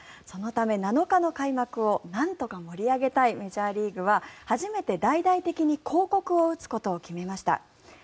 そのため７日の開幕をなんとか盛り上げたいメジャーリーグは初めて大々的に広告を打つことを決めました。